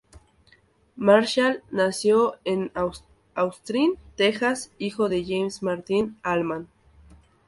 Marshall nació en Austin, Texas, hijo de James Martin Allman Jr.